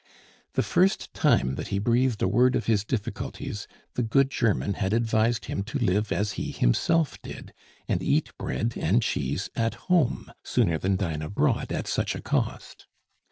The first time that he breathed a word of his difficulties, the good German had advised him to live as he himself did, and eat bread and cheese at home sooner than dine abroad at such a cost.